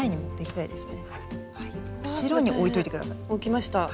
おきました。